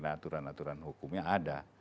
tapi kena aturan aturan hukumnya ada